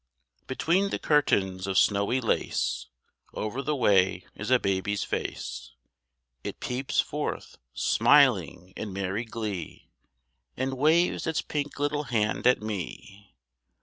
Between the curtains of snowy lace, Over the way is a baby's face; It peeps forth, smiling in merry glee, And waves its pink little hand at me.